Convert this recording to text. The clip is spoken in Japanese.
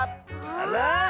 あら！